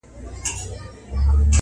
د ماهر فنکار د لاس مجسمه وه؛